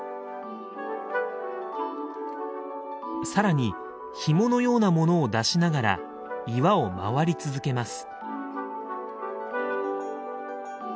更にひものようなものを出しながら岩を回り続けます。